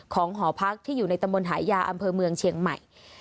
หอพักที่อยู่ในตำบลหายาอำเภอเมืองเชียงใหม่